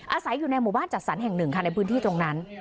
อาศัยอยู่ในหมู่บ้านจัดสรรแห่งหนึ่งค่ะในพื้นที่ตรงนั้น